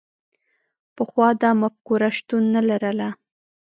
پخوا دا مفکوره شتون نه لرله.